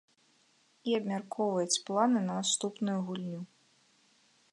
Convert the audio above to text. І абмяркоўваюць планы на наступную гульню.